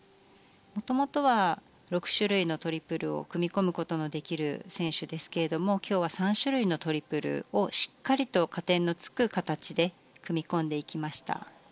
元々は６種類のトリプルを組み込むことのできる選手ですが今日は３種類のトリプルをしっかりと加点のつく形で組み込んでいきました。